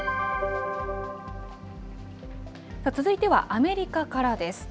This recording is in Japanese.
続いてはアメリカからです。